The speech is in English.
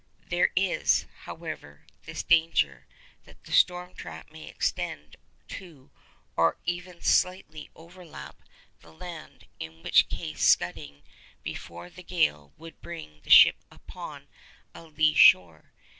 There is, however, this danger, that the storm track may extend to or even slightly overlap the land, in which case scudding before the gale would bring the ship upon a lee shore.